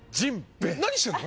何してんの？